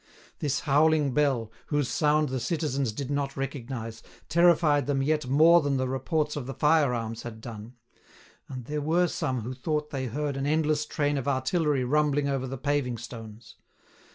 This howling bell, whose sound the citizens did not recognise, terrified them yet more than the reports of the fire arms had done; and there were some who thought they heard an endless train of artillery rumbling over the paving stones.